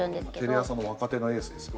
テレ朝の若手のエースですよ。